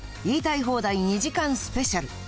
言いたい放題２時間スペシャル。